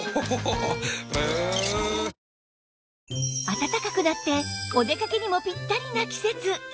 暖かくなってお出かけにもピッタリな季節